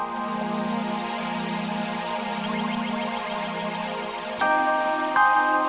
setelah itu saya berhasil membuka